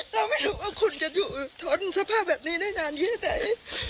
เราไม่รู้ว่าคุณจะยู่ทนสภาพแบบนี้ในด้านไอ้ใด